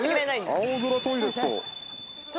えっ青空トイレット。